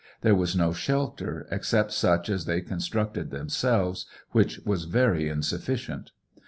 There was no shelter except such as they constructed themselves, which was very insufficient.